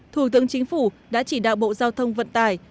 thủ tướng chính phủ đã chỉ đạo bộ giao thông vận tải